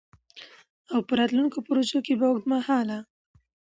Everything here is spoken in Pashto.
او په راتلونکو پروژو کي به د اوږدمهاله